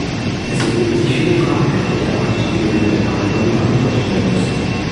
Es ergeben sich viele Fragen rechtlicher Art, die während der Verhandlungen beantwortet werden müssen.